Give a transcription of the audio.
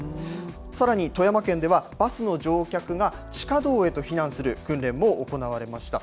さらに富山県では、バスの乗客が地下道へと避難する訓練も行われました。